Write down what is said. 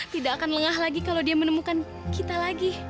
tidak akan lengah lagi kalau dia menemukan kita lagi